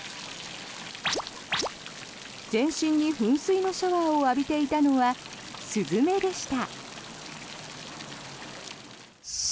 全身に噴水のシャワーを浴びていたのはスズメでした。